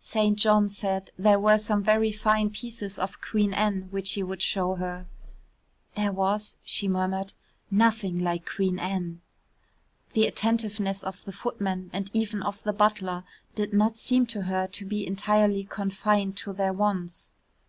St. John said there were some very fine pieces of Queen Anne which he would show her. "There was," she murmured, "nothing like Queen Anne." The attentiveness of the footman and even of the butler did not seem to her to be entirely confined to their wants.